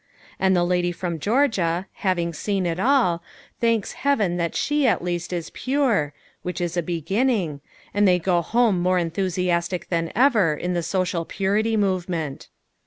And the Lady from Georgia, having seen it all, thanks Heaven that she at least is pure which is a beginning and they go home more enthusiastic than ever in the Social Purity movement.